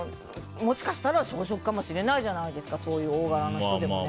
もしかしたら小食かもしれないじゃないですか大柄の人でも。